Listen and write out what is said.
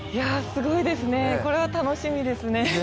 すごいですね、これは楽しみですね。